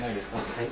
はい。